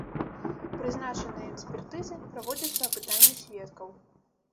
Прызначаныя экспертызы, праводзіцца апытанне сведкаў.